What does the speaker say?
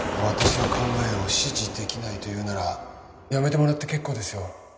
私の考えを支持できないというなら辞めてもらって結構ですよ。